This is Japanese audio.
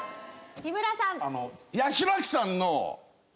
日村さん。